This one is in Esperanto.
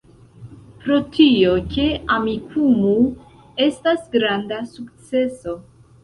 Pro tio, ke Amikumu estas granda sukceso